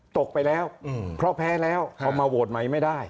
ตกไปแล้วเพราะแพ้แล้วเอามาโหวตใหม่ไม่ได้